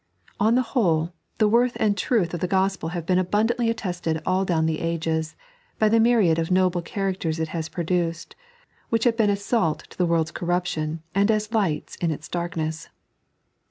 On the whole, the worth and truth of the Gospel have been abundantly attested all down the ages, by the myriads of noble characters it has produced, which have been as salt to the world's corruption and as lights in its darkness.